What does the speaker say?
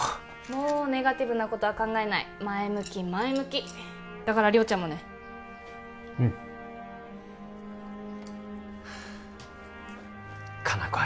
もうネガティブなことは考えない前向き前向きだから亮ちゃんもねうん果奈子